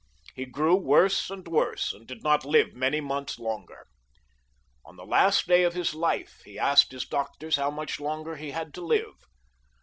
He grew worse and worse, and did not live many months longer. On the last day of his life he asked his doctors how much longer he had to live.